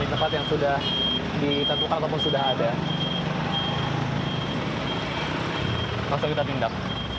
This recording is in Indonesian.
di tempat yang sudah ditentukan ataupun sudah ada langsung kita tindak